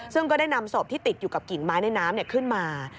ซึ่งก็ได้นำศพที่ติดอยู่กับกิ่งไม้ในน้ำขึ้นมา